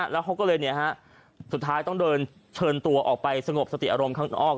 แล้วเขาก็เลยสุดท้ายต้องเดินเชิญตัวออกไปสงบสติอารมณ์ข้างนอก